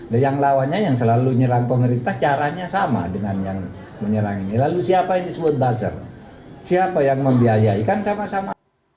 dan yang lawannya yang selalu nyerang pemerintah caranya sama dengan yang menyerang ini lalu siapa yang disebut bazar siapa yang membiayai kan sama sama